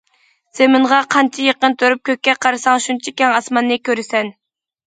« زېمىنغا قانچە يېقىن تۇرۇپ كۆككە قارىساڭ، شۇنچە كەڭ ئاسماننى كۆرىسەن».